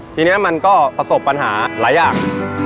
ทีนี้มันก็ประสบปัญหาหลายอย่าง